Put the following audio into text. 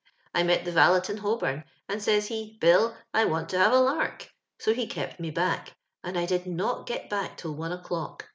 I met the vaUet in Holbom, and says he, ' Bill, I want to have a lark,' so he kept me back, and I did not get back till one o'clock.